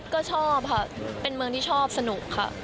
ก็ชอบค่ะเป็นเมืองที่ชอบสนุกค่ะ